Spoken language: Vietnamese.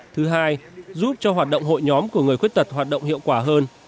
thứ hai giúp cho hoạt động hội nhóm của người khuyết tật hoạt động hiệu quả hơn